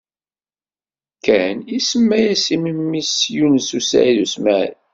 Ken isemma-as i memmi-s Yunes u Saɛid u Smaɛil.